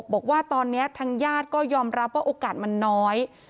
บอกว่าตอนนี้ทางญาติก็ยอมรับว่าโอกาสมันน้อย